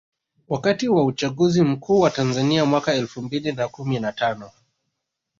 Wakati wa uchaguzi mkuu wa Tanzania mwaka elfu mbili na kumi na tano